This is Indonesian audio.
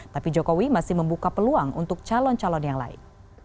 tapi jokowi masih membuka peluang untuk calon calon yang lain